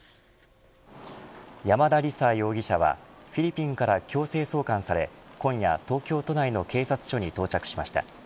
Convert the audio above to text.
山田李沙容疑者はフィリピンから強制送還され今夜、東京都内の警察署に到着しました。